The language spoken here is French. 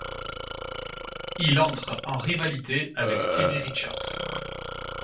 Il entre en rivalité avec Stevie Richards.